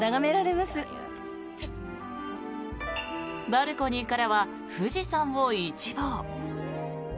バルコニーからは富士山を一望。